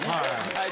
はい。